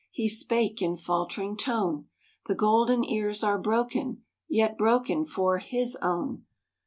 He spake in faltering tone, "The golden ears are broken, Yet broken for His own."